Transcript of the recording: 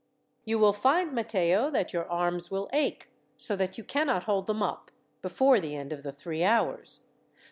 "You will find, Matteo, that your arms will ache, so that you cannot hold them up, before the end of the three hours.